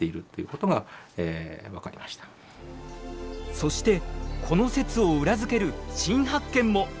そしてこの説を裏付ける新発見も！